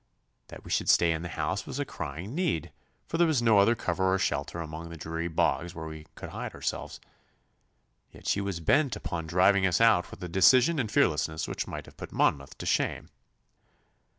That we should stay in the house was a crying need, for there was no other cover or shelter among the dreary bogs where we could hide ourselves. Yet she was bent upon driving us out with a decision and fearlessness which might have put Monmouth to shame.